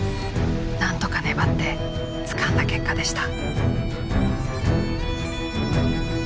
何とか粘ってつかんだ結果でした。